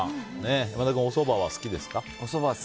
山田君、おそばは好きですか？